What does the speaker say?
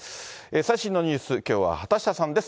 最新のニュース、きょうは畑下さんです。